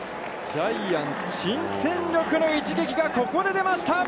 ジャイアンツ新戦力の一撃がここで出ました。